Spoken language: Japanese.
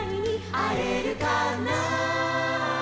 「あえるかな」